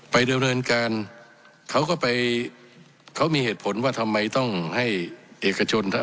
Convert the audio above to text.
ไปดำเนินการเขาก็ไปเขามีเหตุผลว่าทำไมต้องให้เอกชน